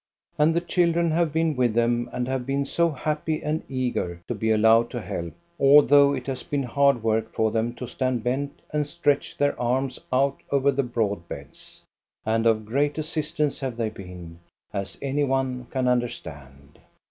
And the children have been with them and have been so happy and eager to be allowed to help, although it has been hard work for them to stand bent and stretch their arms out over the broad beds. And of great assistance have they been, as any one can understand.